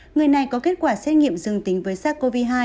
người này có kết quả xét nghiệm dương tính với sars cov hai